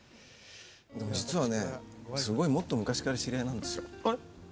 実はねすごいもっと昔から知り合いなんですよ。